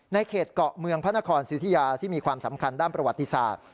ในเขตเกาะเมืองพระนครสิทธิยาที่มีความสำคัญด้านประวัติศาสตร์